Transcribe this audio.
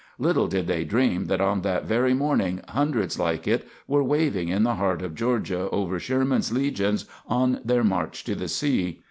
Little did they dream that on that very morning hundreds like it were waving in the heart of Georgia over Sherman's legions on their march to the sea.